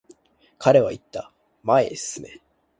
彼は言った、前へ進め。